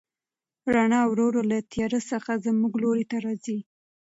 رڼا ورو ورو له تیارې څخه زموږ لوري ته راځي.